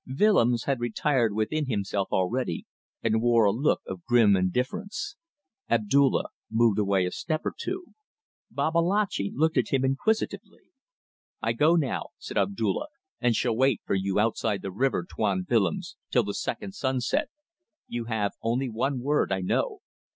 Willems had retired within himself already, and wore a look of grim indifference. Abdulla moved away a step or two. Babalatchi looked at him inquisitively. "I go now," said Abdulla, "and shall wait for you outside the river, Tuan Willems, till the second sunset. You have only one word, I know."